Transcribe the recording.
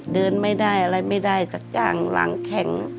เดินไม่ได้อะไรไม่ได้สักอย่างหลังแข็ง